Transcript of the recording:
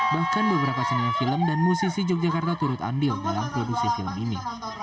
bahkan beberapa senior film dan musisi yogyakarta turut andil dalam produksi film ini